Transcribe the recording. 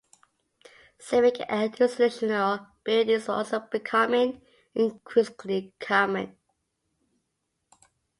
Civic and institutional buildings were also becoming increasingly common.